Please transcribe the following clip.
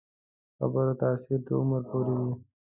د خبرو تاثیر د عمر پورې وي